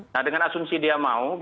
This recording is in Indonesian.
nah dengan asumsi dia mau